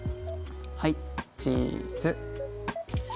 はいチーズ